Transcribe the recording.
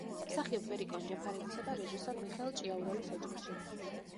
მსახიობ ვერიკო ანჯაფარიძისა და რეჟისორ მიხეილ ჭიაურელის ოჯახში.